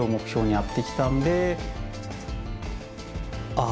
「ああ」